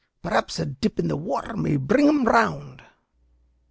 "Perhaps a dip in the water may bring him round."